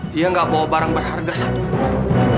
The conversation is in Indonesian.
dia nggak bawa barang berharga satu